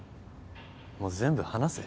もう全部話せ。